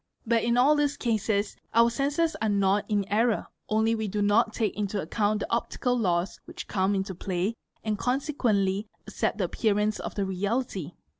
But in all these cases our senses are not in error; only we do not take into account the optical laws which come into play and consequently accept the appearance for the reality.